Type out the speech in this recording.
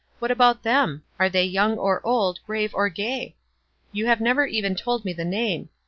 What about them ? are they young or old, grave or gay? You have never even told me the name.